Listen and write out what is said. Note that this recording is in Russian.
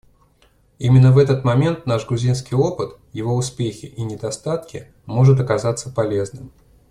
Именно в этот момент наш грузинский опыт — его успехи и недостатки — может оказаться полезным.